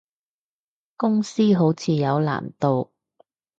公司好似有難度